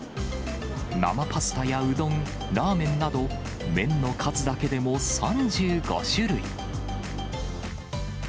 生パスタやうどん、ラーメンなど、麺の数だけでも３５種類。